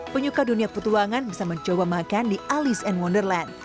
penyuka dunia petualangan bisa mencoba makan di alice and wonderland